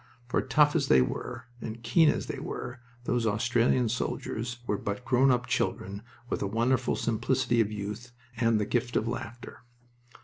For tough as they were, and keen as they were, those Australian soldiers were but grown up children with a wonderful simplicity of youth and the gift of laughter.